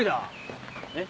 えっ？